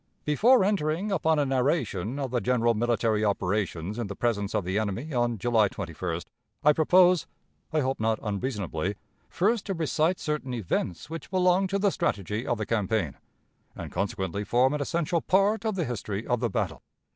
_ "Before entering upon a narration of the general military operations in the presence of the enemy on July 21st, I propose I hope not unreasonably first to recite certain events which belong to the strategy of the campaign, and consequently form an essential part of the history of the battle.